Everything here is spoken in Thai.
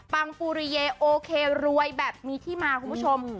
ปังปูริเยโอเครวยแบบมีที่มาคุณผู้ชม